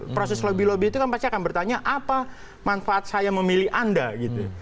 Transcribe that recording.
proses lobby lobby itu kan pasti akan bertanya apa manfaat saya memilih anda gitu